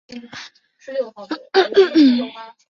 很好，女人我记住你了